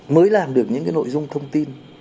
mới làm được những cái nội dung thông tin